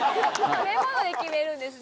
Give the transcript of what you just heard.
食べ物で決めるんですね。